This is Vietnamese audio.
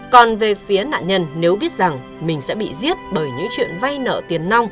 còn về phía nạn nhân nếu biết rằng mình sẽ bị giết bởi những chuyện vay nợ tiền nông